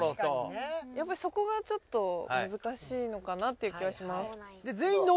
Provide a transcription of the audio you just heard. やっぱりそこがちょっと難しいのかなという気はします。